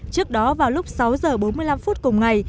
trước đó vào lúc sáu h bốn mươi năm cùng ngày